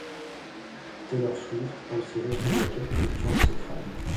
Taylor Swift a aussi répondu à quelques questions de ses fans.